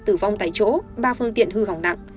tử vong tại chỗ ba phương tiện hư hỏng nặng